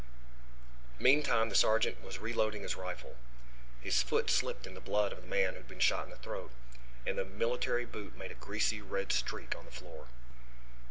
Meantime the sergeant was re loading his rifle. His foot slipped in the blood of the man who had been shot in the throat, and the military boot made a greasy red streak on the floor.